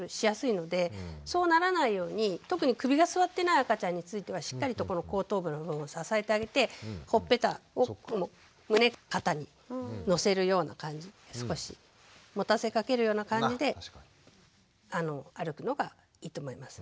特に首が据わってない赤ちゃんについてはしっかりと後頭部の部分を支えてあげてほっぺたを胸肩に乗せるような感じで少しもたせかけるような感じで歩くのがいいと思います。